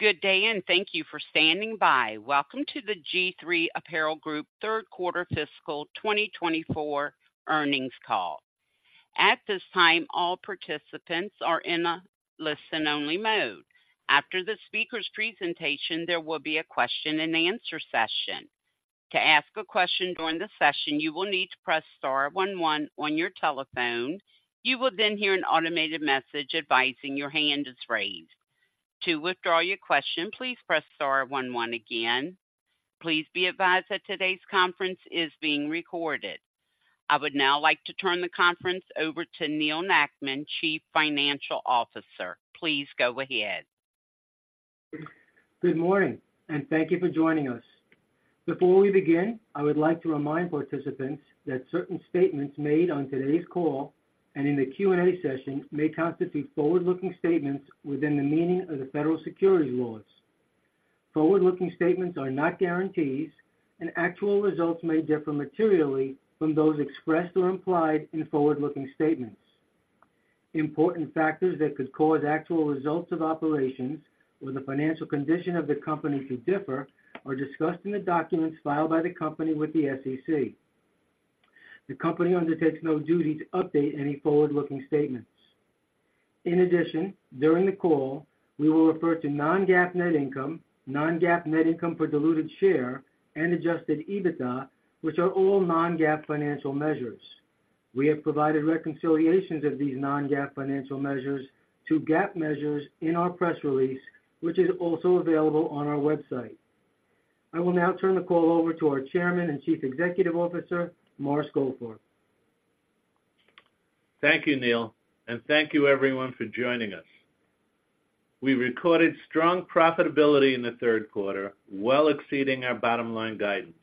Good day, and thank you for standing by. Welcome to the G-III Apparel Group third quarter fiscal 2024 earnings call. At this time, all participants are in a listen-only mode. After the speaker's presentation, there will be a question-and-answer session. To ask a question during the session, you will need to press star one one on your telephone. You will then hear an automated message advising your hand is raised. To withdraw your question, please press star one one again. Please be advised that today's conference is being recorded. I would now like to turn the conference over to Neal Nackman, Chief Financial Officer. Please go ahead. Good morning, and thank you for joining us. Before we begin, I would like to remind participants that certain statements made on today's call and in the Q&A session may constitute Forward-Looking Statements within the meaning of the federal securities laws. Forward-Looking Statements are not guarantees, and actual results may differ materially from those expressed or implied in Forward-Looking Statements. Important factors that could cause actual results of operations or the financial condition of the company to differ are discussed in the documents filed by the company with the SEC. The company undertakes no duty to update any Forward-Looking Statements. In addition, during the call, we will refer to non-GAAP net income, non-GAAP net income per diluted share, and Adjusted EBITDA, which are all non-GAAP financial measures. We have provided reconciliations of these non-GAAP financial measures to GAAP measures in our press release, which is also available on our website. I will now turn the call over to our Chairman and Chief Executive Officer, Morris Goldfarb. Thank you, Neal, and thank you everyone for joining us. We recorded strong profitability in the third quarter, well exceeding our bottom-line guidance.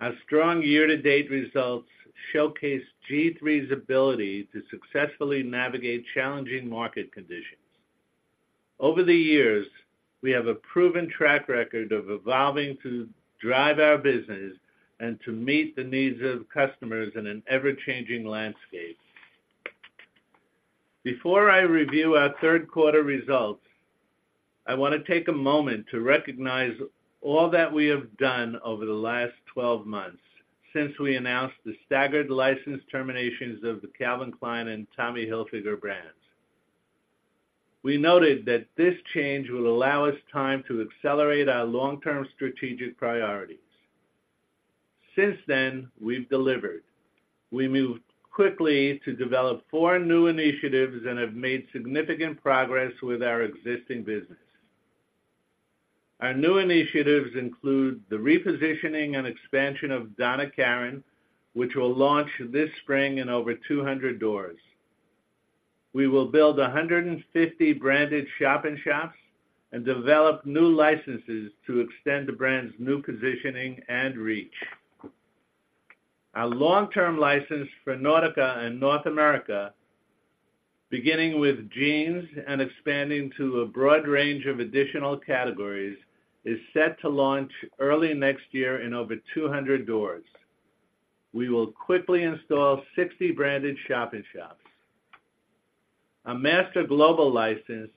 Our strong year-to-date results showcase G-III's ability to successfully navigate challenging market conditions. Over the years, we have a proven track record of evolving to drive our business and to meet the needs of customers in an ever-changing landscape. Before I review our third quarter results, I want to take a moment to recognize all that we have done over the last twelve months since we announced the staggered license terminations of the Calvin Klein and Tommy Hilfiger brands. We noted that this change will allow us time to accelerate our long-term strategic priorities. Since then, we've delivered. We moved quickly to develop four new initiatives and have made significant progress with our existing business. Our new initiatives include the repositioning and expansion of Donna Karan, which will launch this spring in over 200 doors. We will build 150 branded shop-in-shops and develop new licenses to extend the brand's new positioning and reach. Our long-term license for Nautica in North America, beginning with jeans and expanding to a broad range of additional categories, is set to launch early next year in over 200 doors. We will quickly install 60 branded shop-in-shops. A master global license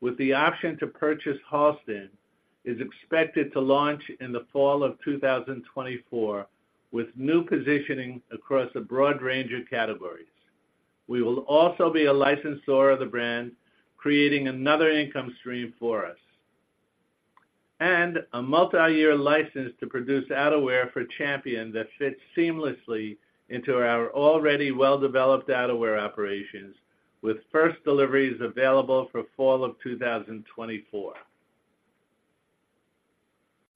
with the option to purchase Halston is expected to launch in the fall of 2024, with new positioning across a broad range of categories. We will also be a licensor of the brand, creating another income stream for us. A multi-year license to produce outerwear for Champion that fits seamlessly into our already well-developed outerwear operations, with first deliveries available for fall of 2024.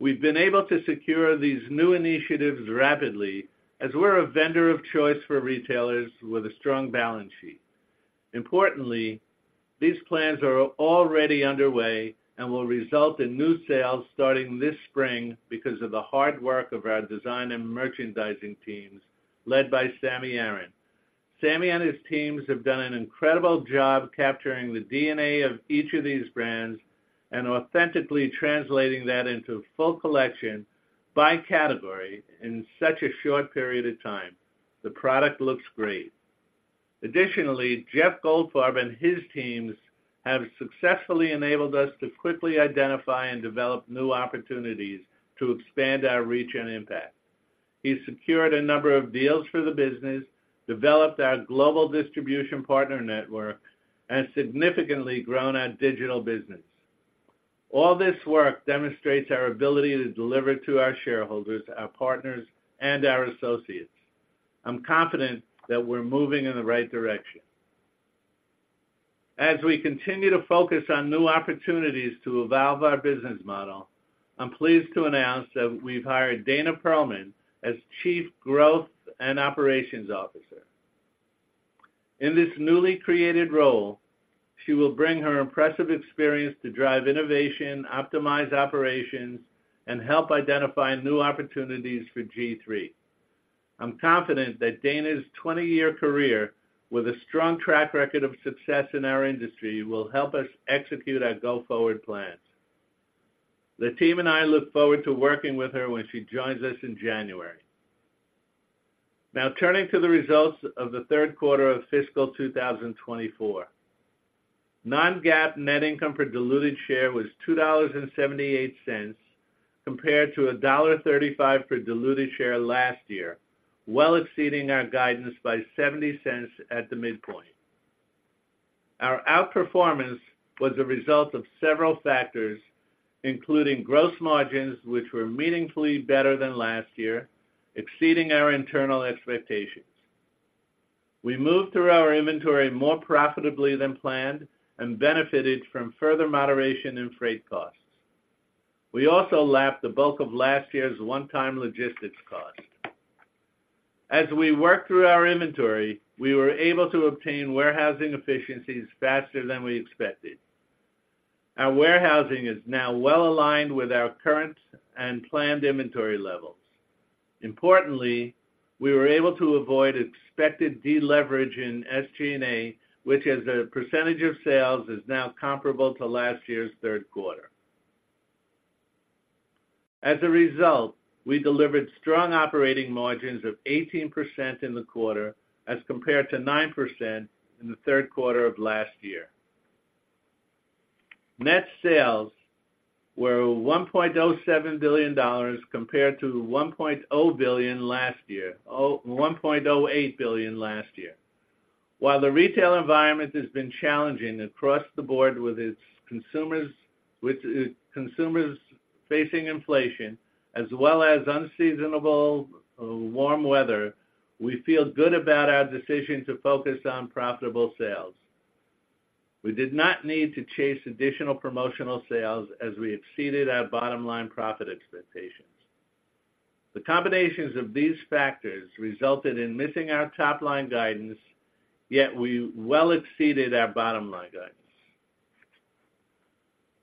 We've been able to secure these new initiatives rapidly as we're a vendor of choice for retailers with a strong balance sheet. Importantly, these plans are already underway and will result in new sales starting this spring because of the hard work of our design and merchandising teams, led by Sammy Aaron. Sammy and his teams have done an incredible job capturing the DNA of each of these brands and authentically translating that into a full collection by category in such a short period of time. The product looks great. Additionally, Jeff Goldfarb and his teams have successfully enabled us to quickly identify and develop new opportunities to expand our reach and impact. He's secured a number of deals for the business, developed our global distribution partner network, and significantly grown our digital business. All this work demonstrates our ability to deliver to our shareholders, our partners, and our associates. I'm confident that we're moving in the right direction. As we continue to focus on new opportunities to evolve our business model, I'm pleased to announce that we've hired Dana Perlman as Chief Growth and Operations Officer. In this newly created role, she will bring her impressive experience to drive innovation, optimize operations, and help identify new opportunities for G-III. I'm confident that Dana's 20-year career with a strong track record of success in our industry will help us execute our go-forward plans. The team and I look forward to working with her when she joins us in January.... Now turning to the results of the third quarter of fiscal 2024. Non-GAAP net income per diluted share was $2.78, compared to $1.35 per diluted share last year, well exceeding our guidance by $0.70 at the midpoint. Our outperformance was a result of several factors, including gross margins, which were meaningfully better than last year, exceeding our internal expectations. We moved through our inventory more profitably than planned and benefited from further moderation in freight costs. We also lapped the bulk of last year's one-time logistics cost. As we worked through our inventory, we were able to obtain warehousing efficiencies faster than we expected. Our warehousing is now well aligned with our current and planned inventory levels. Importantly, we were able to avoid expected deleverage in SG&A, which, as a percentage of sales, is now comparable to last year's third quarter. As a result, we delivered strong operating margins of 18% in the quarter, as compared to 9% in the third quarter of last year. Net sales were $1.07 billion, compared to $1.0 billion last year, oh, $1.08 billion last year. While the retail environment has been challenging across the board with its consumers—with consumers facing inflation as well as unseasonable warm weather, we feel good about our decision to focus on profitable sales. We did not need to chase additional promotional sales as we exceeded our bottom-line profit expectations. The combinations of these factors resulted in missing our top-line guidance, yet we well exceeded our bottom-line guidance.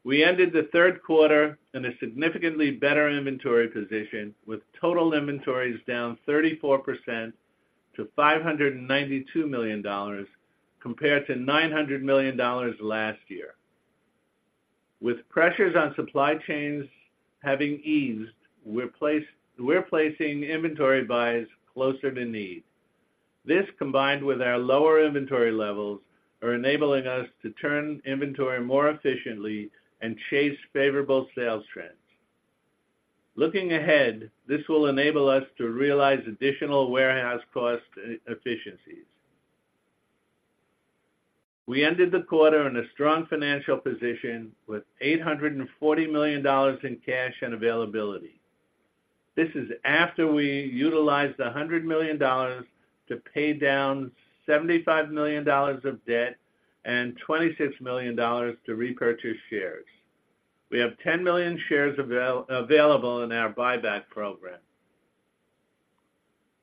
We ended the third quarter in a significantly better inventory position, with total inventories down 34% to $592 million, compared to $900 million last year. With pressures on supply chains having eased, we're placing inventory buys closer to need. This, combined with our lower inventory levels, are enabling us to turn inventory more efficiently and chase favorable sales trends. Looking ahead, this will enable us to realize additional warehouse cost efficiencies. We ended the quarter in a strong financial position with $840 million in cash and availability. This is after we utilized $100 million to pay down $75 million of debt and $26 million to repurchase shares. We have 10 million shares available in our buyback program.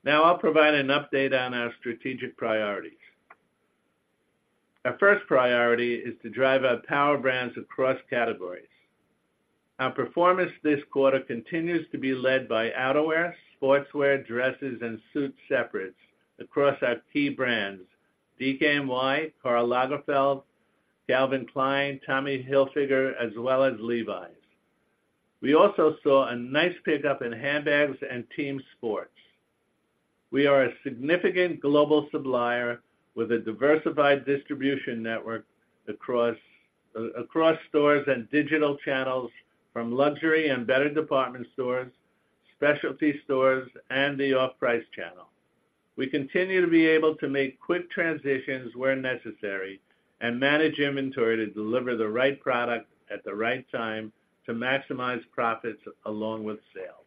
Now I'll provide an update on our strategic priorities. Our first priority is to drive our power brands across categories. Our performance this quarter continues to be led by outerwear, sportswear, dresses, and suit separates across our key brands, DKNY, Karl Lagerfeld, Calvin Klein, Tommy Hilfiger, as well as Levi's. We also saw a nice pickup in handbags and team sports. We are a significant global supplier with a diversified distribution network across stores and digital channels, from luxury and better department stores, specialty stores, and the off-price channel. We continue to be able to make quick transitions where necessary and manage inventory to deliver the right product at the right time to maximize profits along with sales.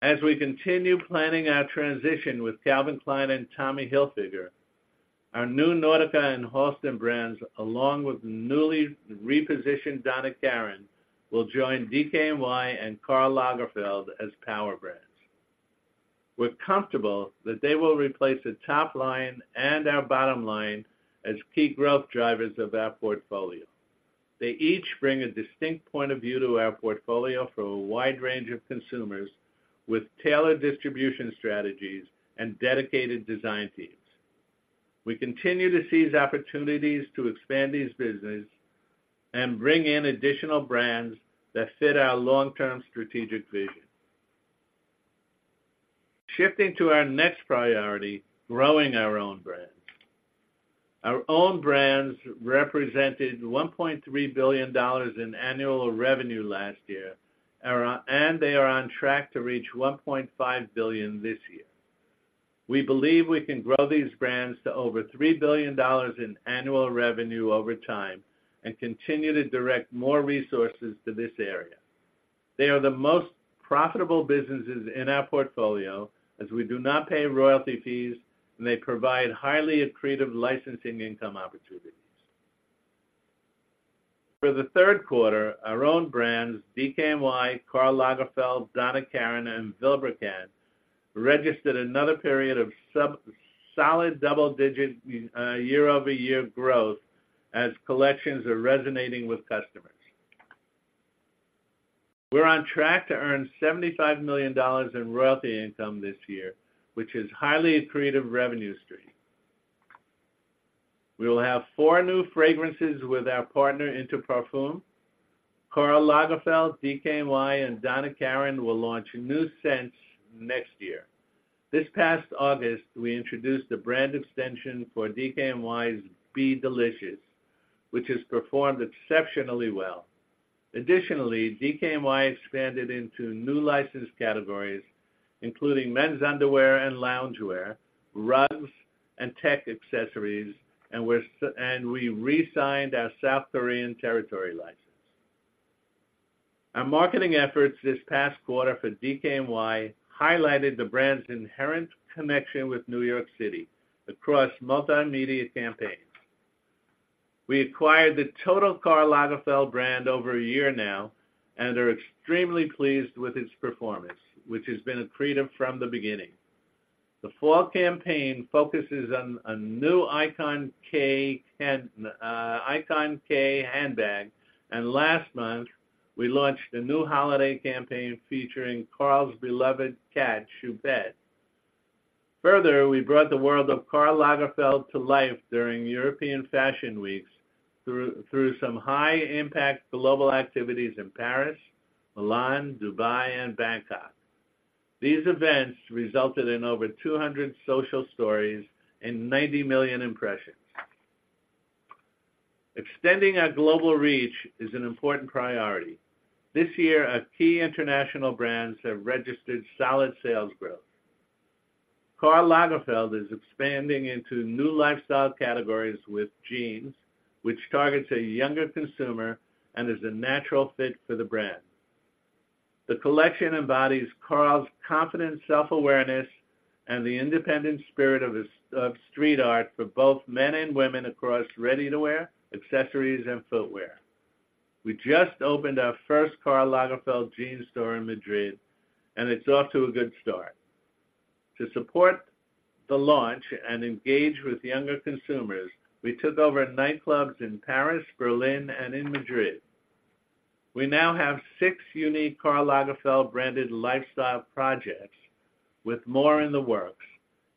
As we continue planning our transition with Calvin Klein and Tommy Hilfiger, our new Nautica and Halston brands, along with newly repositioned Donna Karan, will join DKNY and Karl Lagerfeld as power brands. We're comfortable that they will replace the top line and our bottom line as key growth drivers of our portfolio. They each bring a distinct point of view to our portfolio for a wide range of consumers, with tailored distribution strategies and dedicated design teams. We continue to seize opportunities to expand these businesses and bring in additional brands that fit our long-term strategic vision. Shifting to our next priority, growing our own brands. Our own brands represented $1.3 billion in annual revenue last year, and they are on track to reach $1.5 billion this year. We believe we can grow these brands to over $3 billion in annual revenue over time and continue to direct more resources to this area. They are the most profitable businesses in our portfolio, as we do not pay royalty fees, and they provide highly accretive licensing income opportunities. For the third quarter, our own brands, DKNY, Karl Lagerfeld, Donna Karan, and Vilebrequin, registered another period of solid double-digit year-over-year growth as collections are resonating with customers. We're on track to earn $75 million in royalty income this year, which is a highly accretive revenue stream. We will have four new fragrances with our partner, Inter Parfums. Karl Lagerfeld, DKNY, and Donna Karan will launch new scents next year. This past August, we introduced a brand extension for DKNY's Be Delicious, which has performed exceptionally well. Additionally, DKNY expanded into new license categories, including men's underwear and loungewear, rugs, and tech accessories, and we re-signed our South Korean territory license. Our marketing efforts this past quarter for DKNY highlighted the brand's inherent connection with New York City across multimedia campaigns. We acquired the total Karl Lagerfeld brand over a year now, and are extremely pleased with its performance, which has been accretive from the beginning. The fall campaign focuses on a new icon, Ikonik handbag, and last month, we launched a new holiday campaign featuring Karl's beloved cat, Choupette. Further, we brought the world of Karl Lagerfeld to life during European Fashion Weeks through some high-impact global activities in Paris, Milan, Dubai, and Bangkok. These events resulted in over 200 social stories and 90 million impressions. Extending our global reach is an important priority. This year, our key international brands have registered solid sales growth. Karl Lagerfeld is expanding into new lifestyle categories with jeans, which targets a younger consumer and is a natural fit for the brand. The collection embodies Karl's confident self-awareness and the independent spirit of street art for both men and women across ready-to-wear, accessories, and footwear. We just opened our first Karl Lagerfeld Jeans store in Madrid, and it's off to a good start. To support the launch and engage with younger consumers, we took over nightclubs in Paris, Berlin, and in Madrid. We now have six unique Karl Lagerfeld-branded lifestyle projects, with more in the works.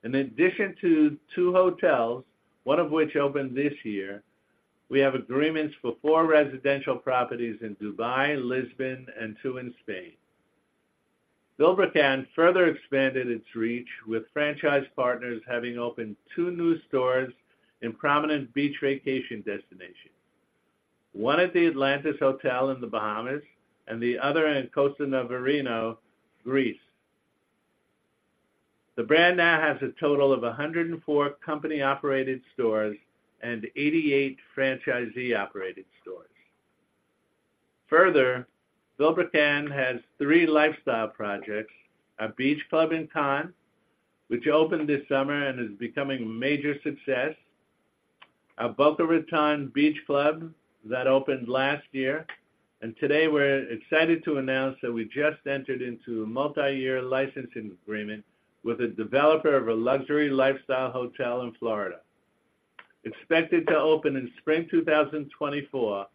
In addition to two hotels, one of which opened this year, we have agreements for four residential properties in Dubai, Lisbon, and two in Spain. Vilebrequin further expanded its reach, with franchise partners having opened two new stores in prominent beach vacation destinations, one at the Atlantis Hotel in the Bahamas and the other in Costa Navarino, Greece. The brand now has a total of 104 company-operated stores and 88 franchisee-operated stores. Further, Vilebrequin has three lifestyle projects: a beach club in Cannes, which opened this summer and is becoming a major success, a Boca Raton Beach Club that opened last year, and today we're excited to announce that we just entered into a multi-year licensing agreement with a developer of a luxury lifestyle hotel in Florida. Expected to open in spring 2024,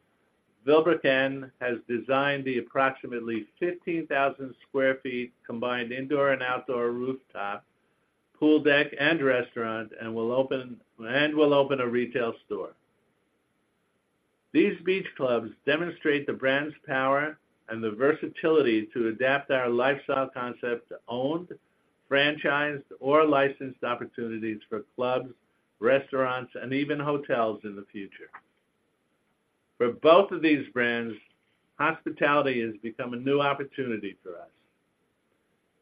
Vilebrequin has designed the approximately 15,000 sq ft, combined indoor and outdoor rooftop, pool deck, and restaurant, and will open a retail store. These beach clubs demonstrate the brand's power and the versatility to adapt our lifestyle concept to owned, franchised, or licensed opportunities for clubs, restaurants, and even hotels in the future. For both of these brands, hospitality has become a new opportunity for us.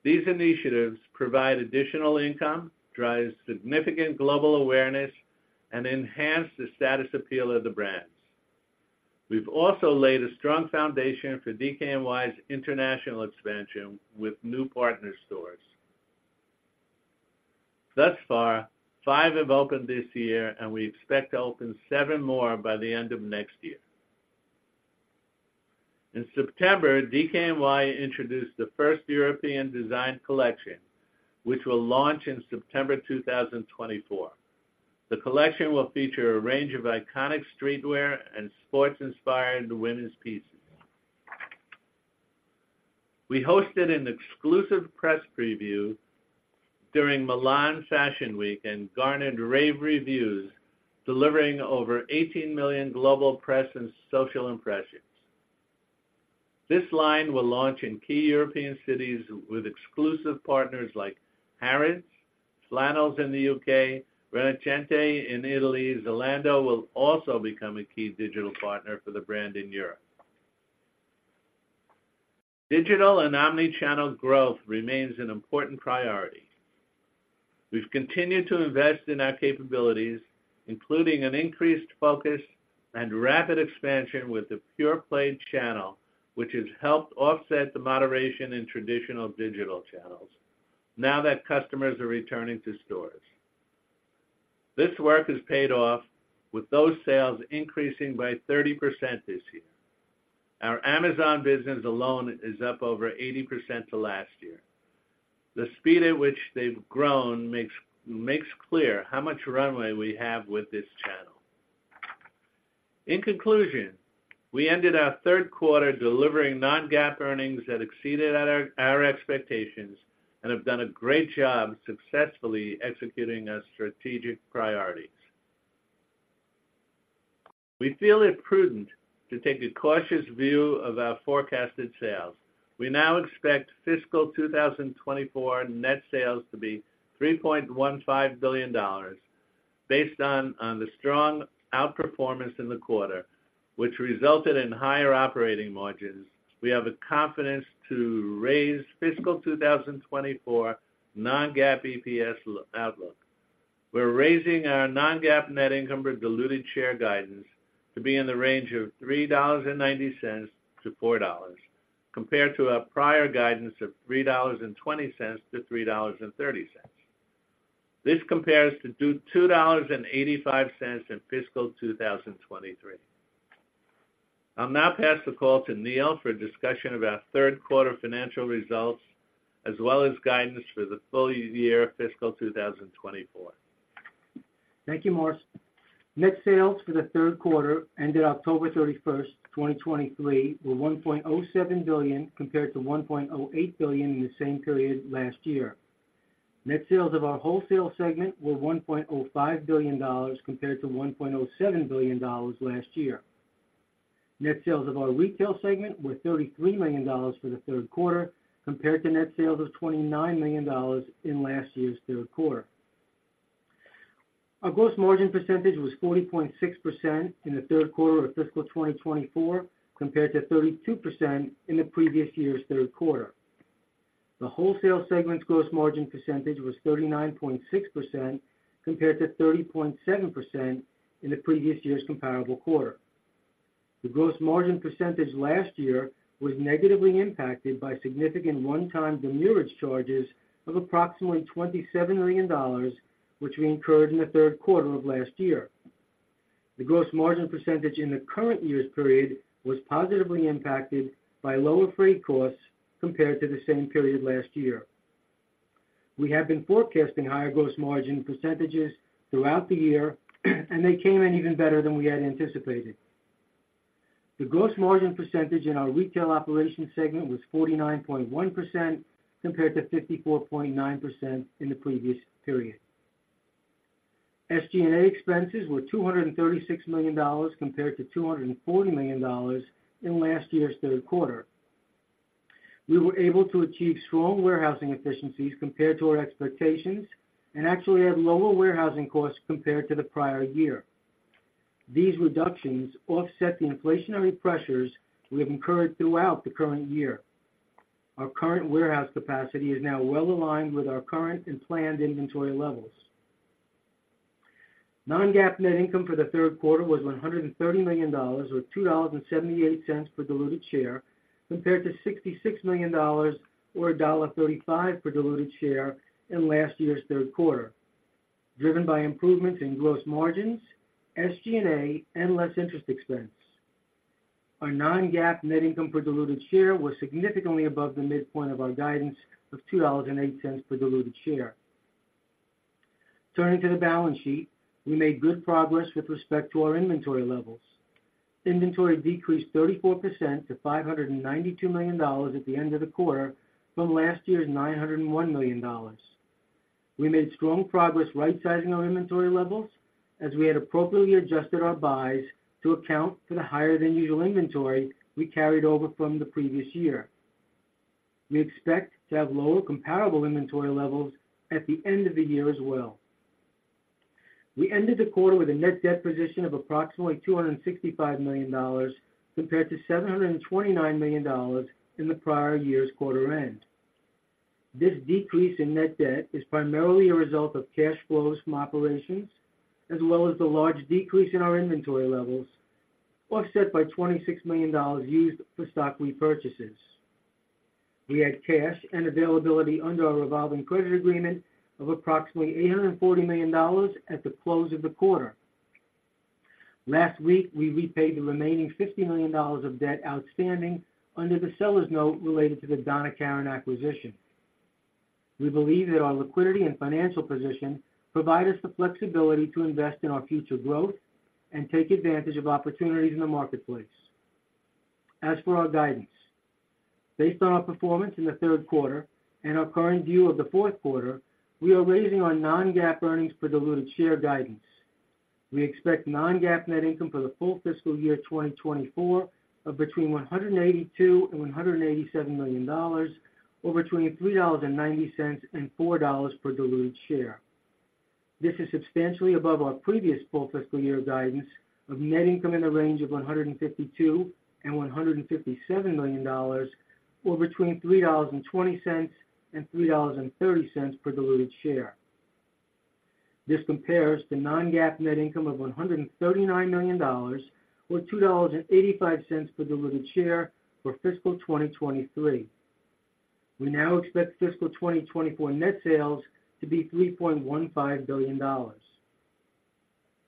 These initiatives provide additional income, drives significant global awareness, and enhance the status appeal of the brands. We've also laid a strong foundation for DKNY's international expansion with new partner stores. Thus far, five have opened this year, and we expect to open sevsn more by the end of next year. In September, DKNY introduced the first European design collection, which will launch in September 2024. The collection will feature a range of iconic streetwear and sports-inspired women's pieces. We hosted an exclusive press preview during Milan Fashion Week and garnered rave reviews, delivering over 18 million global press and social impressions. This line will launch in key European cities with exclusive partners like Harrods, Flannels in the UK, Rinascente in Italy. Zalando will also become a key digital partner for the brand in Europe. Digital and omni-channel growth remains an important priority. We've continued to invest in our capabilities, including an increased focus and rapid expansion with the pure-play channel, which has helped offset the moderation in traditional digital channels now that customers are returning to stores. This work has paid off, with those sales increasing by 30% this year. Our Amazon business alone is up over 80% to last year. The speed at which they've grown makes clear how much runway we have with this channel. In conclusion, we ended our third quarter delivering non-GAAP earnings that exceeded our expectations and have done a great job successfully executing our strategic priorities. We feel it prudent to take a cautious view of our forecasted sales. We now expect fiscal 2024 net sales to be $3.15 billion. Based on the strong outperformance in the quarter, which resulted in higher operating margins, we have the confidence to raise fiscal 2024 non-GAAP EPS outlook. We're raising our non-GAAP net income per diluted share guidance to be in the range of $3.90-$4.00, compared to our prior guidance of $3.20-$3.30. This compares to $2.85 in fiscal 2023. I'll now pass the call to Neal for a discussion of our third quarter financial results, as well as guidance for the full year fiscal 2024. Thank you, Morris. Net sales for the third quarter ended October 31, 2023, were $1.07 billion, compared to $1.08 billion in the same period last year. Net sales of our wholesale segment were $1.05 billion, compared to $1.07 billion last year. Net sales of our retail segment were $33 million for the third quarter, compared to net sales of $29 million in last year's third quarter. Our gross margin percentage was 40.6% in the third quarter of fiscal 2024, compared to 32% in the previous year's third quarter. The wholesale segment's gross margin percentage was 39.6%, compared to 30.7% in the previous year's comparable quarter. The gross margin percentage last year was negatively impacted by significant one-time demurrage charges of approximately $27 million, which we incurred in the third quarter of last year. The gross margin percentage in the current year's period was positively impacted by lower freight costs compared to the same period last year. We have been forecasting higher gross margin percentages throughout the year, and they came in even better than we had anticipated. The gross margin percentage in our retail operations segment was 49.1%, compared to 54.9% in the previous period. SG&A expenses were $236 million, compared to $240 million in last year's third quarter. We were able to achieve strong warehousing efficiencies compared to our expectations, and actually had lower warehousing costs compared to the prior year. These reductions offset the inflationary pressures we have incurred throughout the current year. Our current warehouse capacity is now well aligned with our current and planned inventory levels. Non-GAAP net income for the third quarter was $130 million, or $2.78 per diluted share, compared to $66 million or $1.35 per diluted share in last year's third quarter, driven by improvements in gross margins, SG&A, and less interest expense. Our non-GAAP net income per diluted share was significantly above the midpoint of our guidance of $2.08 per diluted share. Turning to the balance sheet, we made good progress with respect to our inventory levels. Inventory decreased 34% to $592 million at the end of the quarter, from last year's $901 million. We made strong progress rightsizing our inventory levels, as we had appropriately adjusted our buys to account for the higher than usual inventory we carried over from the previous year. We expect to have lower comparable inventory levels at the end of the year as well. We ended the quarter with a net debt position of approximately $265 million, compared to $729 million in the prior year's quarter end. This decrease in net debt is primarily a result of cash flows from operations, as well as the large decrease in our inventory levels, offset by $26 million used for stock repurchases. We had cash and availability under our revolving credit agreement of approximately $840 million at the close of the quarter. Last week, we repaid the remaining $50 million of debt outstanding under the seller's note related to the Donna Karan acquisition. We believe that our liquidity and financial position provide us the flexibility to invest in our future growth and take advantage of opportunities in the marketplace. As for our guidance, based on our performance in the third quarter and our current view of the fourth quarter, we are raising our non-GAAP earnings per diluted share guidance. We expect non-GAAP net income for the full fiscal year 2024 of between $182 million and $187 million, or between $3.90 and $4.00 per diluted share. This is substantially above our previous full fiscal year guidance of net income in the range of $152 million-$157 million, or between $3.20 and $3.30 per diluted share. This compares to non-GAAP net income of $139 million, or $2.85 per diluted share for fiscal 2023. We now expect fiscal 2024 net sales to be $3.15 billion.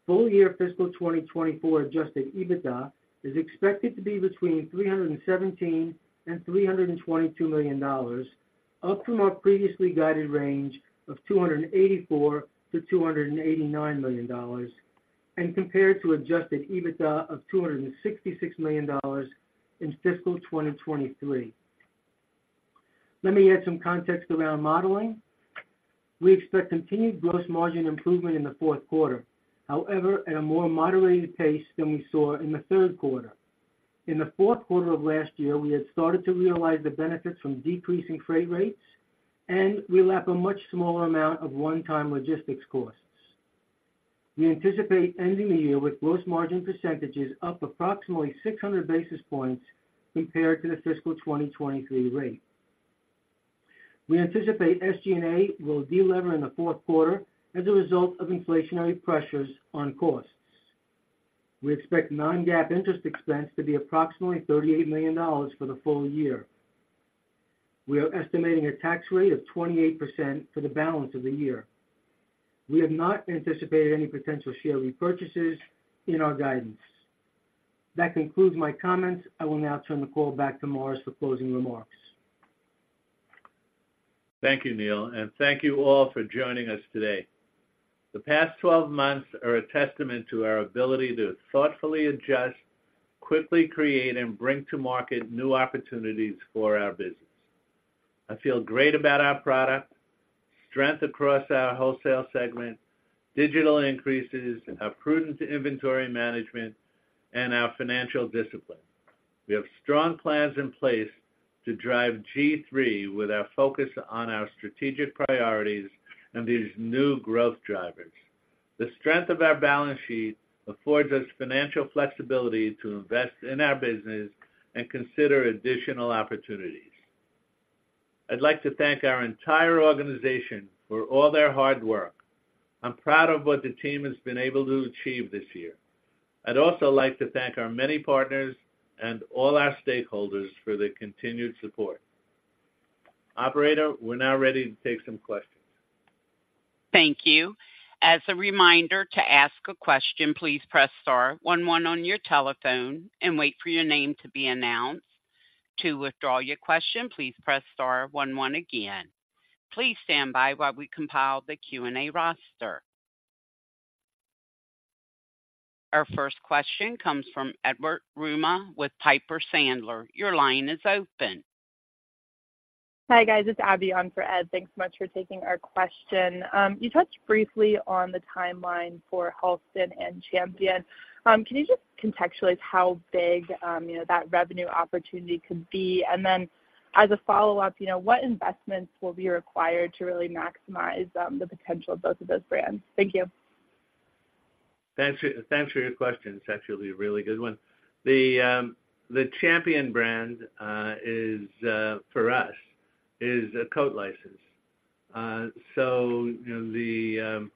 Full year fiscal 2024 adjusted EBITDA is expected to be between $317 million and $322 million, up from our previously guided range of $284 million-$289 million, and compared to adjusted EBITDA of $266 million in fiscal 2023. Let me add some context to our modeling. We expect continued gross margin improvement in the fourth quarter. However, at a more moderated pace than we saw in the third quarter. In the fourth quarter of last year, we had started to realize the benefits from decreasing freight rates and we lap a much smaller amount of one-time logistics costs. We anticipate ending the year with gross margin percentages up approximately 600 basis points compared to the fiscal 2023 rate. We anticipate SG&A will delever in the fourth quarter as a result of inflationary pressures on costs. We expect non-GAAP interest expense to be approximately $38 million for the full year. We are estimating a tax rate of 28% for the balance of the year. We have not anticipated any potential share repurchases in our guidance. That concludes my comments. I will now turn the call back to Morris for closing remarks. Thank you, Neal, and thank you all for joining us today. The past 12 months are a testament to our ability to thoughtfully adjust, quickly create, and bring to market new opportunities for our business. I feel great about our product, strength across our wholesale segment, digital increases, and our prudent inventory management, and our financial discipline. We have strong plans in place to drive G-III with our focus on our strategic priorities and these new growth drivers. The strength of our balance sheet affords us financial flexibility to invest in our business and consider additional opportunities. I'd like to thank our entire organization for all their hard work. I'm proud of what the team has been able to achieve this year. I'd also like to thank our many partners and all our stakeholders for their continued support. Operator, we're now ready to take some questions. Thank you. As a reminder to ask a question, please press star one one on your telephone and wait for your name to be announced. To withdraw your question, please press star one one again. Please stand by while we compile the Q&A roster. Our first question comes from Edward Yruma with Piper Sandler. Your line is open. Hi, guys. It's Abbie on for Ed. Thanks so much for taking our question. You touched briefly on the timeline for Halston and Champion. Can you just contextualize how big, you know, that revenue opportunity could be? And then as a follow-up, you know, what investments will be required to really maximize the potential of both of those brands? Thank you. Thanks for your question. It's actually a really good one. The Champion brand is for us a coat license. So, you know,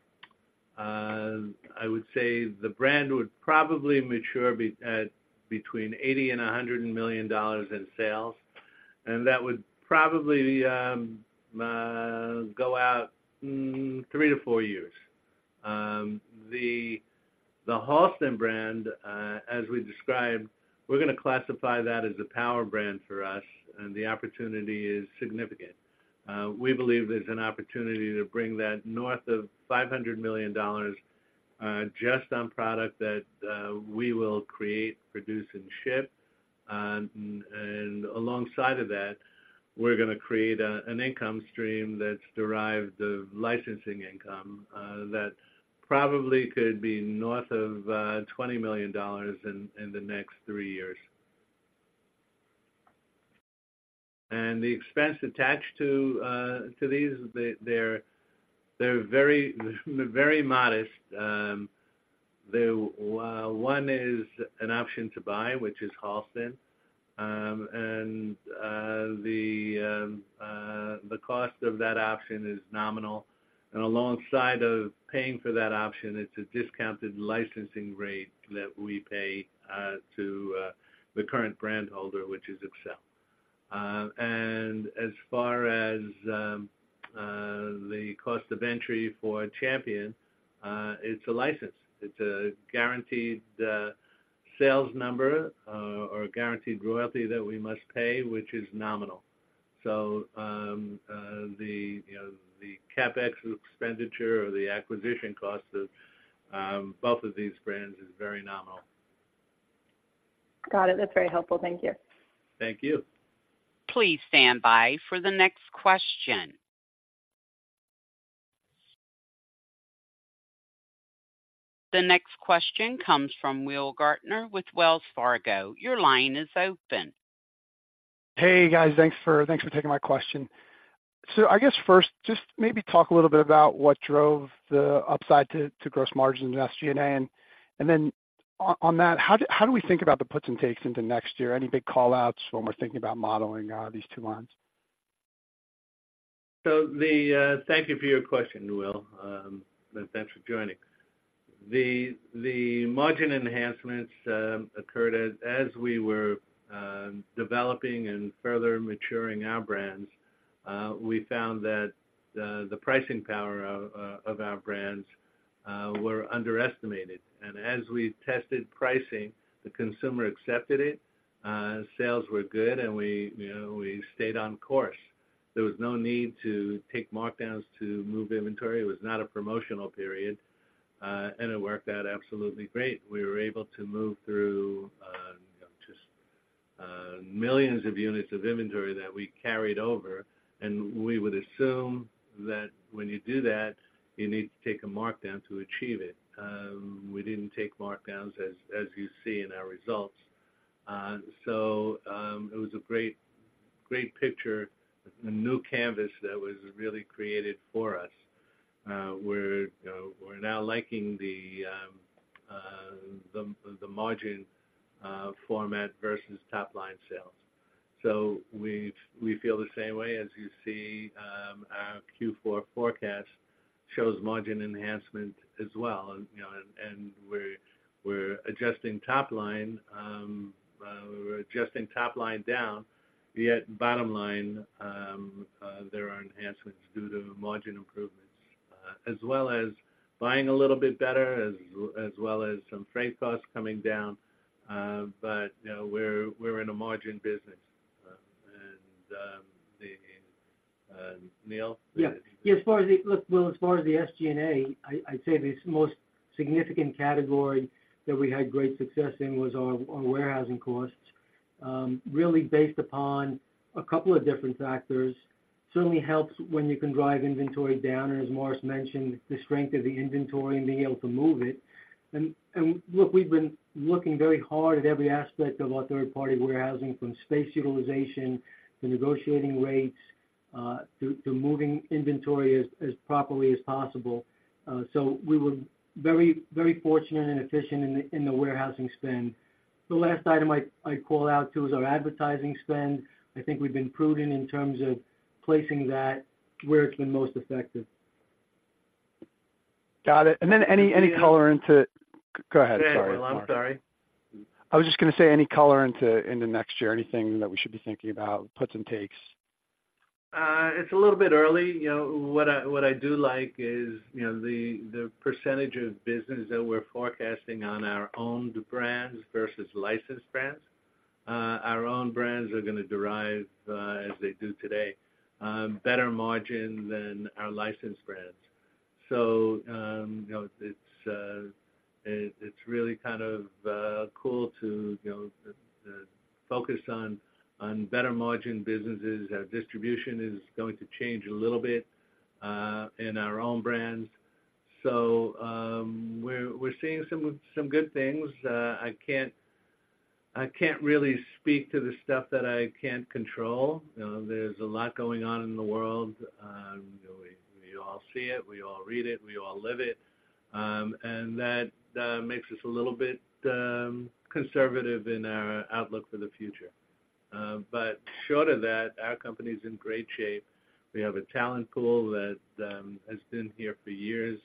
I would say the brand would probably mature at between $80-$100 million in sales, and that would probably go out three-four years. The Halston brand, as we described, we're gonna classify that as a power brand for us, and the opportunity is significant. We believe there's an opportunity to bring that north of $500 million just on product that we will create, produce, and ship. And alongside of that, we're gonna create an income stream that's derived of licensing income that probably could be north of $20 million in the next three years. The expense attached to these, they're very, very modest. The one is an option to buy, which is Halston. And the cost of that option is nominal, and alongside of paying for that option, it's a discounted licensing rate that we pay to the current brand holder, which is Xcel. And as far as the cost of entry for Champion, it's a license. It's a guaranteed sales number or a guaranteed royalty that we must pay, which is nominal. So, you know, the CapEx expenditure or the acquisition cost of both of these brands is very nominal. Got it. That's very helpful. Thank you. Thank you. Please stand by for the next question. The next question comes from Will Gaertner with Wells Fargo. Your line is open. Hey, guys. Thanks for taking my question. So I guess first, just maybe talk a little bit about what drove the upside to gross margins and SG&A. And then on that, how do we think about the puts and takes into next year? Any big call-outs when we're thinking about modeling these two lines? Thank you for your question, Will. And thanks for joining. The margin enhancements occurred as we were developing and further maturing our brands. We found that the pricing power of our brands were underestimated. And as we tested pricing, the consumer accepted it. Sales were good, and we, you know, stayed on course. There was no need to take markdowns to move inventory. It was not a promotional period, and it worked out absolutely great. We were able to move through just millions of units of inventory that we carried over, and we would assume that when you do that, you need to take a markdown to achieve it. We didn't take markdowns, as you see in our results. So, it was a great, great picture, a new canvas that was really created for us. We're now liking the margin format versus top-line sales. So we feel the same way. As you see, our Q4 forecast shows margin enhancement as well. And, you know, we're adjusting top line down, yet bottom line there are enhancements due to margin improvements, as well as buying a little bit better, as well as some freight costs coming down. But, you know, we're in a margin business, and Neal? Yeah. Yeah, as far as the SG&A, I'd say the most significant category that we had great success in was our warehousing costs, really based upon a couple of different factors. Certainly helps when you can drive inventory down, and as Morris mentioned, the strength of the inventory and being able to move it. And look, we've been looking very hard at every aspect of our third-party warehousing, from space utilization to negotiating rates, to moving inventory as properly as possible. So we were very fortunate and efficient in the warehousing spend. The last item I'd call out, too, is our advertising spend. I think we've been prudent in terms of placing that where it's been most effective. Got it. And then any color into... Go ahead, sorry. Yeah, well, I'm sorry. I was just gonna say, any color into, into next year, anything that we should be thinking about, puts and takes? It's a little bit early. You know, what I do like is, you know, the percentage of business that we're forecasting on our owned brands versus licensed brands. Our own brands are gonna derive, as they do today, better margin than our licensed brands. So, you know, it's really kind of cool to, you know, focus on better margin businesses. Our distribution is going to change a little bit in our own brands. So, we're seeing some good things. I can't really speak to the stuff that I can't control. You know, there's a lot going on in the world. We all see it, we all read it, we all live it. And that makes us a little bit conservative in our outlook for the future. But short of that, our company is in great shape. We have a talent pool that has been here for years.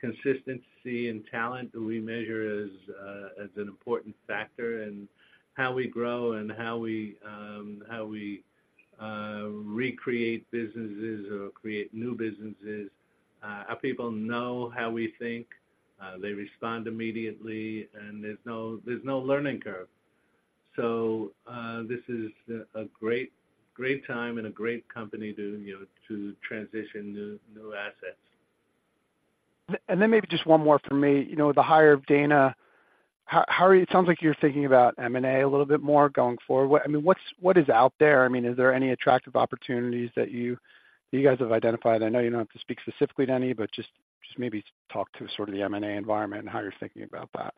Consistency and talent, we measure as an important factor in how we grow and how we recreate businesses or create new businesses. Our people know how we think. They respond immediately, and there's no learning curve. So, this is a great, great time and a great company to, you know, to transition new assets. And then maybe just one more for me. You know, with the hire of Dana, how are you? It sounds like you're thinking about M&A a little bit more going forward. What is out there? I mean, what's out there? I mean, is there any attractive opportunities that you guys have identified? I know you don't have to speak specifically to any, but just maybe talk to sort of the M&A environment and how you're thinking about that.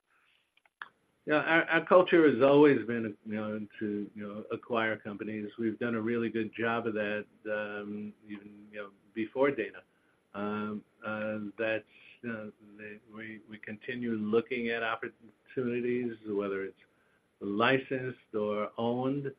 Yeah, our culture has always been, you know, to, you know, acquire companies. We've done a really good job of that, even, you know, before Dana. That we continue looking at opportunities, whether it's licensed or owned.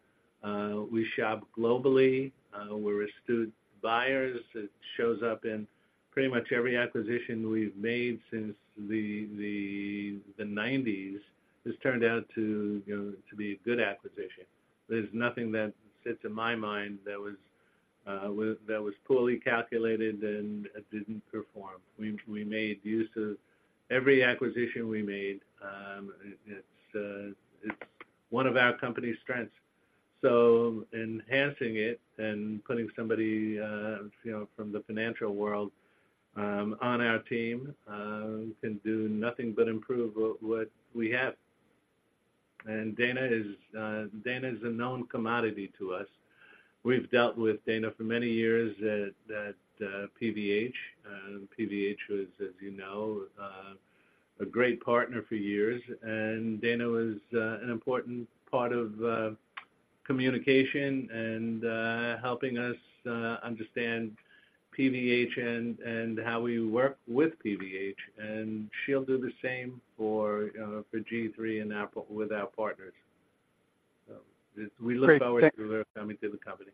We shop globally. We're astute buyers. It shows up in pretty much every acquisition we've made since the nineties. It's turned out to, you know, to be a good acquisition. There's nothing that sits in my mind that was poorly calculated and it didn't perform. We made use of every acquisition we made. It's one of our company's strengths. So enhancing it and putting somebody, you know, from the financial world, on our team, can do nothing but improve what we have. Dana is a known commodity to us. We've dealt with Dana for many years at PVH. PVH was, as you know, a great partner for years, and Dana was an important part of communication and helping us understand PVH and how we work with PVH. And she'll do the same for G-III and our partners. So we look forward- Great, thank- to her coming to the company.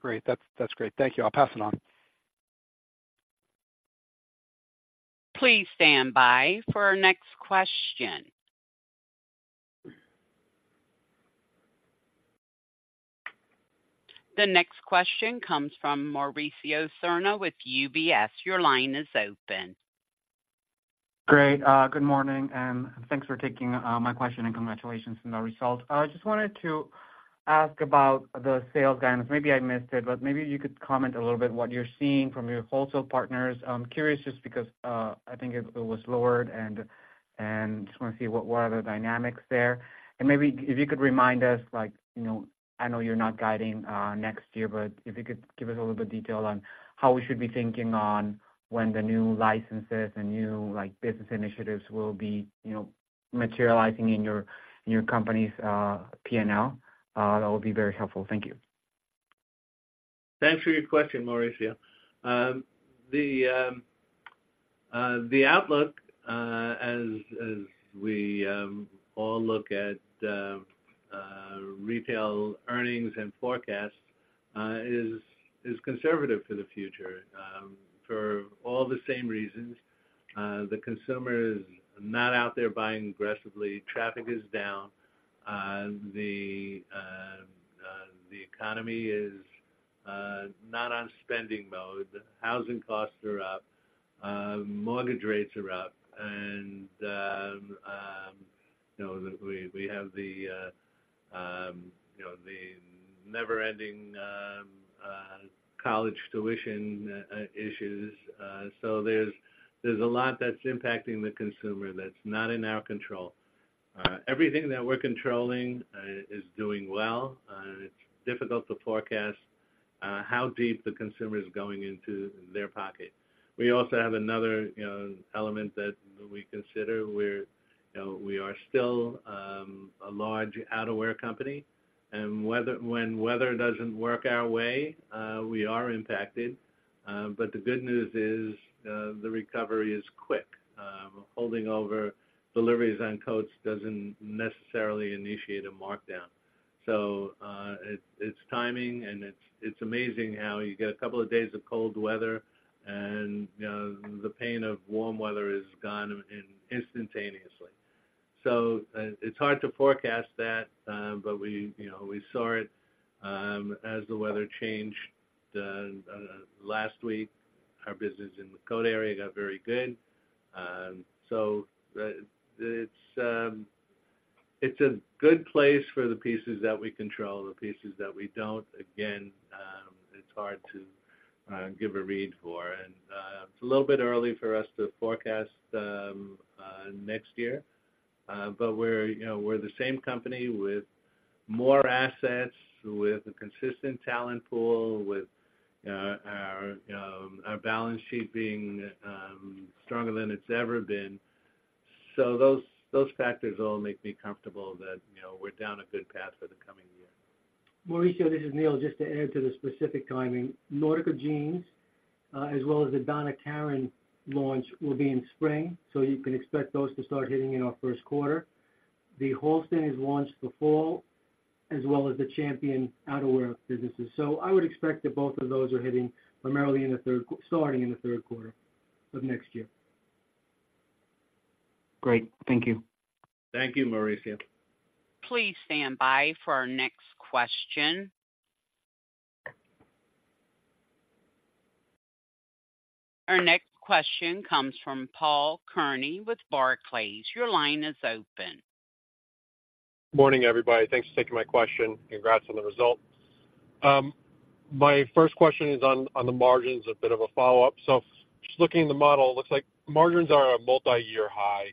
Great. That's, that's great. Thank you. I'll pass it on. Please stand by for our next question. The next question comes from Mauricio Serna with UBS. Your line is open. Great. Good morning, and thanks for taking my question, and congratulations on the results. I just wanted to ask about the sales guidance. Maybe I missed it, but maybe you could comment a little bit what you're seeing from your wholesale partners. I'm curious just because I think it was lowered and just wanna see what are the dynamics there. And maybe if you could remind us, like, you know, I know you're not guiding next year, but if you could give us a little bit detail on how we should be thinking on when the new licenses and new, like, business initiatives will be, you know, materializing in your company's P&L. That would be very helpful. Thank you. Thanks for your question, Mauricio. The outlook, as we all look at retail earnings and forecasts, is conservative for the future, for all the same reasons. The consumer is not out there buying aggressively. Traffic is down. The economy is not on spending mode. Housing costs are up, mortgage rates are up, and, you know, we have the never-ending college tuition issues. So there's a lot that's impacting the consumer that's not in our control. Everything that we're controlling is doing well. It's difficult to forecast how deep the consumer is going into their pocket. We also have another, you know, element that we consider where, you know, we are still a large outerwear company, and weather, when weather doesn't work our way, we are impacted. But the good news is, the recovery is quick. Holding over deliveries on coats doesn't necessarily initiate a markdown. So, it, it's timing, and it's amazing how you get a couple of days of cold weather, and, you know, the pain of warm weather is gone instantaneously. So it, it's hard to forecast that, but we, you know, we saw it, as the weather changed, last week. Our business in the coat area got very good. So the, it's a good place for the pieces that we control. The pieces that we don't, again, it's hard to give a read for. It's a little bit early for us to forecast next year. But we're, you know, we're the same company with more assets, with a consistent talent pool, with our balance sheet being stronger than it's ever been. So those factors all make me comfortable that, you know, we're down a good path for the coming year. Mauricio, this is Neal. Just to add to the specific timing. Nautica Jeans, as well as the Donna Karan launch, will be in spring, so you can expect those to start hitting in our first quarter. The Halston is launched for fall, as well as the Champion outerwear businesses. So I would expect that both of those are hitting primarily in the third quarter starting in the third quarter of next year. Great. Thank you. Thank you, Mauricio. Please stand by for our next question. Our next question comes from Paul Kearney with Barclays. Your line is open. Morning, everybody. Thanks for taking my question. Congrats on the results. My first question is on, on the margins, a bit of a follow-up. So just looking at the model, looks like margins are at a multi-year high.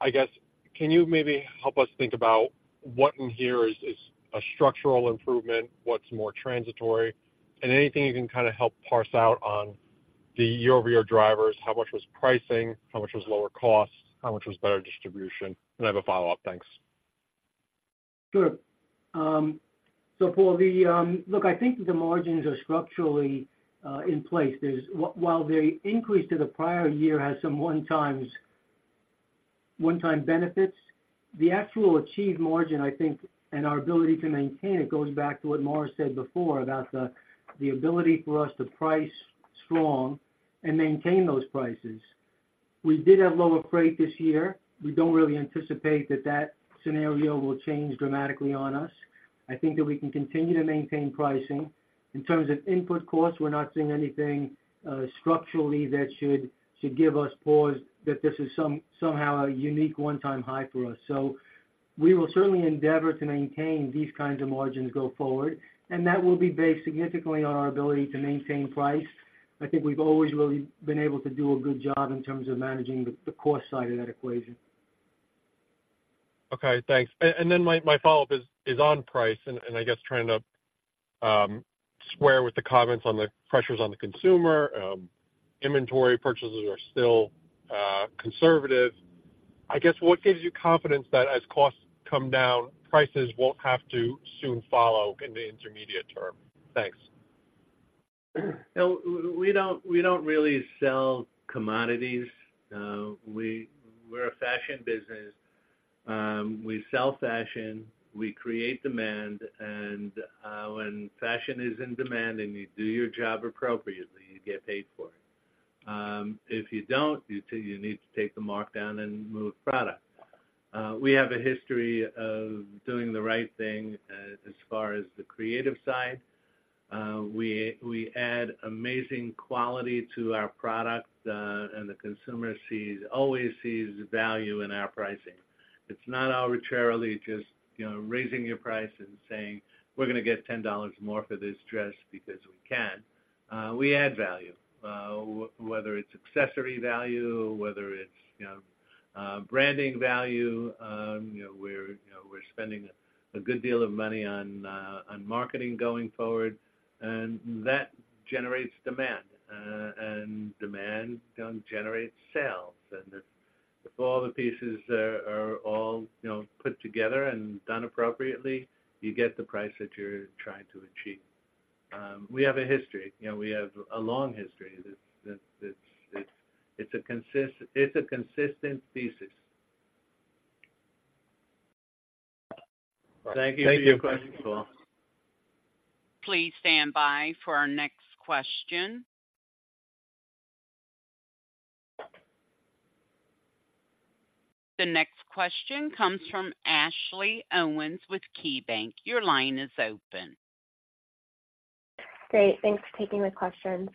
I guess, can you maybe help us think about what in here is, is a structural improvement, what's more transitory? And anything you can kinda help parse out on the year-over-year drivers, how much was pricing, how much was lower costs, how much was better distribution? And I have a follow-up. Thanks. Sure. So Paul, Look, I think the margins are structurally in place. While the increase to the prior year has some one-time benefits, the actual achieved margin, I think, and our ability to maintain it, goes back to what Morris said before about the ability for us to price strong and maintain those prices. We did have lower freight this year. We don't really anticipate that that scenario will change dramatically on us. I think that we can continue to maintain pricing. In terms of input costs, we're not seeing anything structurally that should give us pause that this is somehow a unique one-time high for us. So we will certainly endeavor to maintain these kinds of margins go forward, and that will be based significantly on our ability to maintain price. I think we've always really been able to do a good job in terms of managing the cost side of that equation. Okay, thanks. And then my follow-up is on price, and I guess trying to square with the comments on the pressures on the consumer. Inventory purchases are still conservative. I guess, what gives you confidence that as costs come down, prices won't have to soon follow in the intermediate term? Thanks. You know, we don't, we don't really sell commodities. We're a fashion business. We sell fashion, we create demand, and when fashion is in demand and you do your job appropriately, you get paid for it. If you don't, you too, you need to take the markdown and move product. We have a history of doing the right thing as far as the creative side. We add amazing quality to our product, and the consumer sees always the value in our pricing. It's not arbitrarily just, you know, raising your price and saying, "We're gonna get $10 more for this dress because we can." We add value, whether it's accessory value, whether it's, you know, branding value, you know, we're spending a good deal of money on marketing going forward, and that generates demand, and demand generates sales. And if all the pieces are, you know, put together and done appropriately, you get the price that you're trying to achieve. We have a history, you know, we have a long history. It's a consistent thesis. Thank you for your question, Paul. Please stand by for our next question. The next question comes from Ashley Owens with KeyBanc. Your line is open. Great. Thanks for taking the question.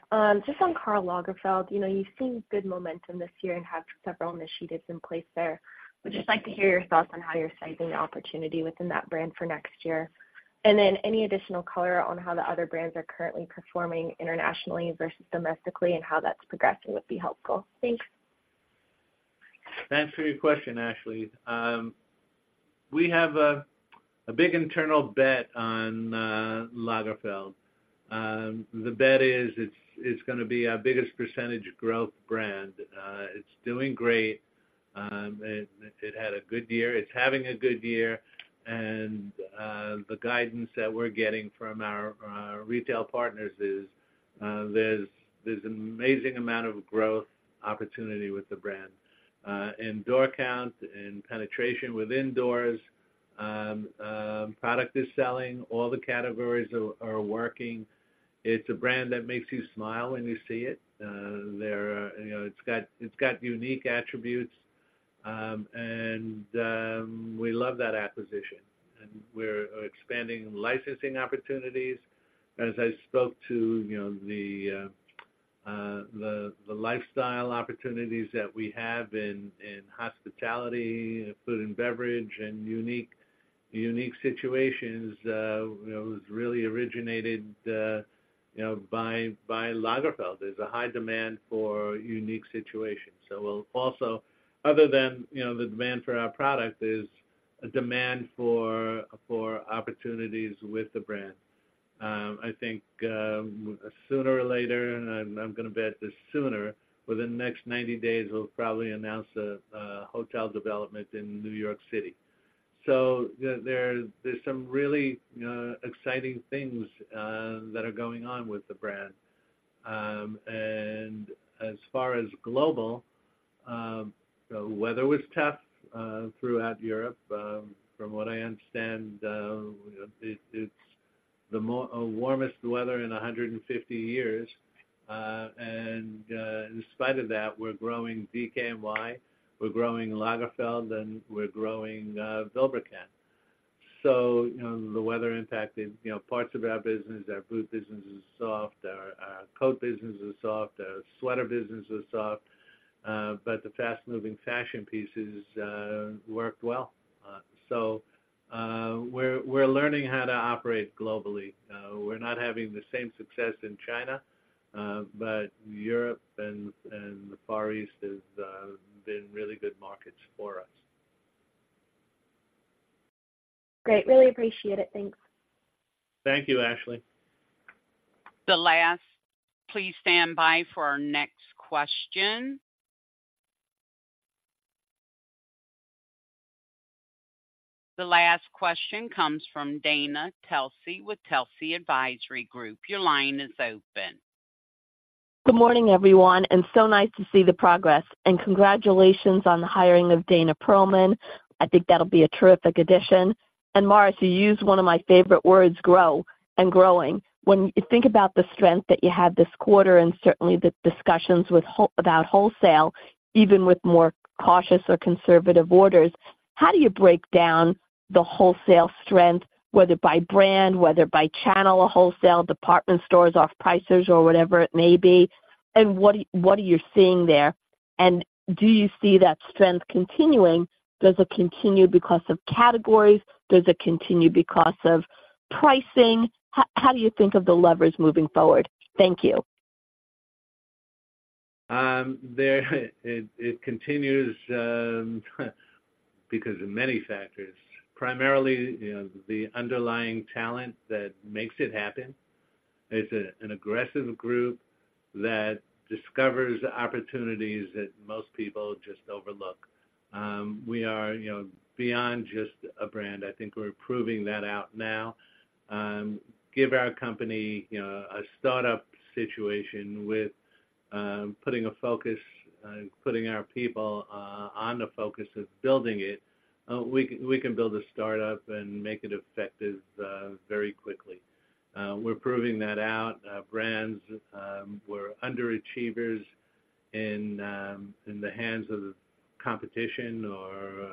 Just on Karl Lagerfeld, you know, you've seen good momentum this year and have several initiatives in place there. We'd just like to hear your thoughts on how you're sizing the opportunity within that brand for next year. And then any additional color on how the other brands are currently performing internationally versus domestically, and how that's progressing would be helpful. Thanks. Thanks for your question, Ashley. We have a big internal bet on Lagerfeld. The bet is, it's gonna be our biggest percentage growth brand. It's doing great, and it had a good year. It's having a good year, and the guidance that we're getting from our retail partners is, there's an amazing amount of growth opportunity with the brand. In door count, in penetration with indoors, product is selling, all the categories are working. It's a brand that makes you smile when you see it. There are—you know, it's got unique attributes, and we love that acquisition, and we're expanding licensing opportunities. As I spoke to, you know, the lifestyle opportunities that we have in hospitality, food and beverage, and unique situations, you know, was really originated, you know, by Lagerfeld. There's a high demand for unique situations. So we'll also, other than, you know, the demand for our product, is a demand for opportunities with the brand. I think sooner or later, and I'm gonna bet this sooner, within the next 90 days, we'll probably announce a hotel development in New York City. So there's some really exciting things that are going on with the brand. And as far as global, the weather was tough throughout Europe. From what I understand, it's the warmest weather in 150 years. In spite of that, we're growing DKNY, we're growing Lagerfeld, and we're growing Vilebrequin. So, you know, the weather impacted, you know, parts of our business. Our boot business is soft, our coat business is soft, our sweater business is soft, but the fast moving fashion pieces worked well. So, we're learning how to operate globally. We're not having the same success in China, but Europe and the Far East has been really good markets for us. Great. Really appreciate it. Thanks. Thank you, Ashley. Please stand by for our next question. The last question comes from Dana Telsey with Telsey Advisory Group. Your line is open. Good morning, everyone, and so nice to see the progress. Congratulations on the hiring of Dana Perlman. I think that'll be a terrific addition. Morris, you used one of my favorite words, grow and growing. When you think about the strength that you have this quarter and certainly the discussions with wholesalers about wholesale, even with more cautious or conservative orders, how do you break down the wholesale strength, whether by brand, whether by channel or wholesale, department stores, off-pricers or whatever it may be? And what, what are you seeing there? And do you see that strength continuing? Does it continue because of categories? Does it continue because of pricing? How, how do you think of the levers moving forward? Thank you. It continues because of many factors. Primarily, you know, the underlying talent that makes it happen. It's an aggressive group that discovers opportunities that most people just overlook. We are, you know, beyond just a brand. I think we're proving that out now. Give our company, you know, a startup situation with putting a focus, putting our people on the focus of building it, we can build a startup and make it effective very quickly. We're proving that out. Brands were underachievers in the hands of the competition or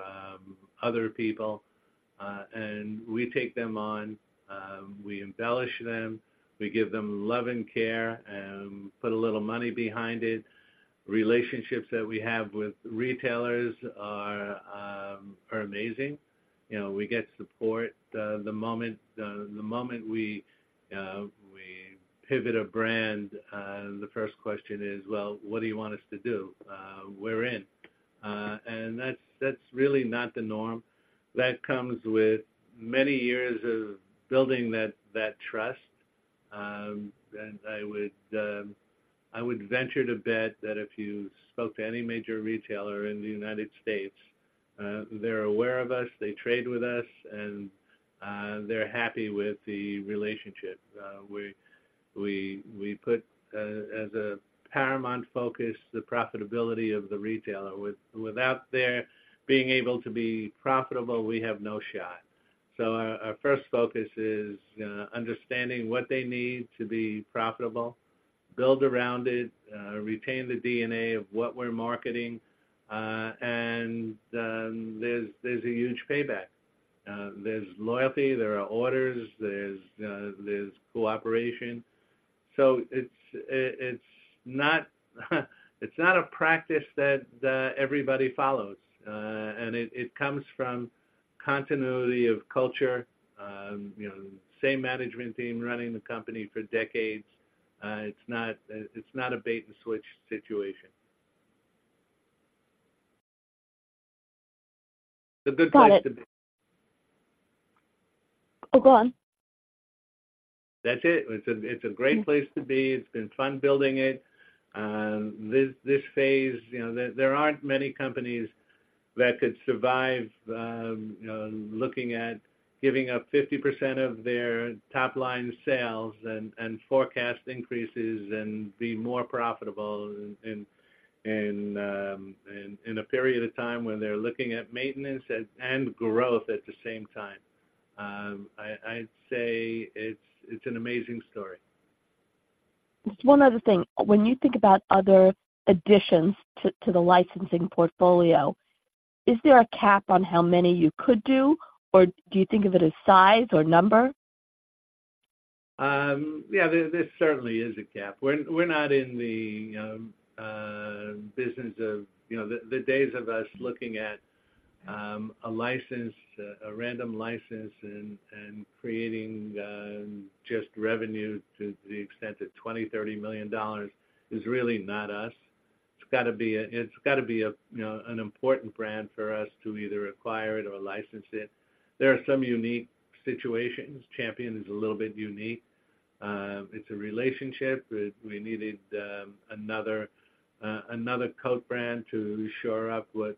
other people. And we take them on, we embellish them, we give them love and care, and put a little money behind it. Relationships that we have with retailers are amazing. You know, we get support. The moment we pivot a brand, the first question is, "Well, what do you want us to do? We're in." And that's really not the norm. That comes with many years of building that trust. And I would venture to bet that if you spoke to any major retailer in the United States, they're aware of us, they trade with us, and they're happy with the relationship. We put as a paramount focus the profitability of the retailer. Without their being able to be profitable, we have no shot. So our first focus is understanding what they need to be profitable, build around it, retain the DNA of what we're marketing, and there's a huge payback. There's loyalty, there are orders, there's cooperation. So it's not a practice that everybody follows. And it comes from continuity of culture, you know, same management team running the company for decades. It's not a bait-and-switch situation. It's a good place to be. Got it. Oh, go on. That's it. It's a great place to be. It's been fun building it. This phase, you know, there aren't many companies that could survive looking at giving up 50% of their top-line sales and forecast increases and be more profitable in a period of time when they're looking at maintenance and growth at the same time. I'd say it's an amazing story. Just one other thing. When you think about other additions to, to the licensing portfolio, is there a cap on how many you could do, or do you think of it as size or number? Yeah, there certainly is a cap. We're not in the business of... You know, the days of us looking at a license, a random license and creating just revenue to the extent of $20 million-$30 million is really not us. It's gotta be a. It's gotta be a, you know, an important brand for us to either acquire it or license it. There are some unique situations. Champion is a little bit unique. It's a relationship. We needed another coat brand to shore up what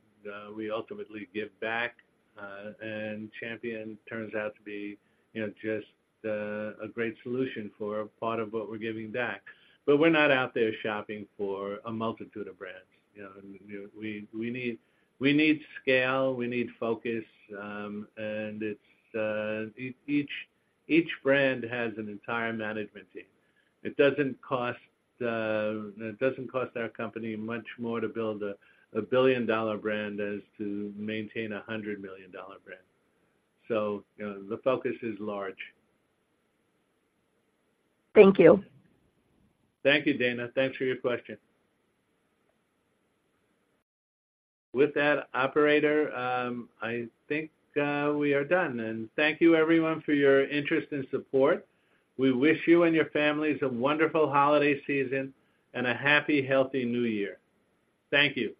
we ultimately give back, and Champion turns out to be, you know, just a great solution for a part of what we're giving back. But we're not out there shopping for a multitude of brands. You know, we need scale, we need focus. Each brand has an entire management team. It doesn't cost our company much more to build a billion-dollar brand as to maintain a 100 million dollar brand. So, you know, the focus is large. Thank you. Thank you, Dana. Thanks for your question. With that, operator, I think we are done. Thank you, everyone, for your interest and support. We wish you and your families a wonderful holiday season and a happy, healthy new year. Thank you.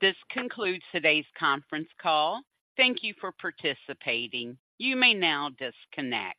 This concludes today's conference call. Thank you for participating. You may now disconnect.